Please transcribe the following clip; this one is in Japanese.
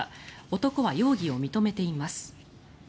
男は容疑を認めています。